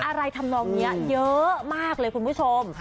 อะไรทำลองเนี่ยเยอะมากเลยคุณผู้ชม